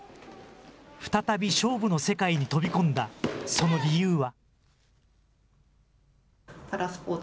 再び勝負の世界に飛び込んだその理由は。